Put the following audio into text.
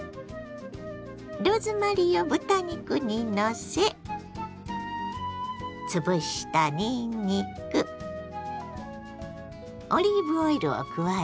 ローズマリーを豚肉にのせ潰したにんにくオリーブオイルを加えます。